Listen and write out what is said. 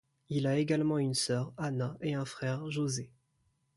Il a également une sœur, Ana, et un frère, José.